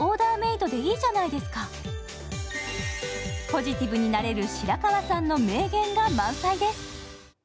ポジティブになれる白川さんの名言が満載です。